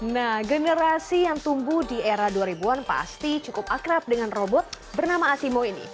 nah generasi yang tumbuh di era dua ribu an pasti cukup akrab dengan robot bernama asimo ini